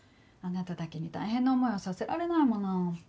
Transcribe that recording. あなただけに大変な思いはさせられないもの。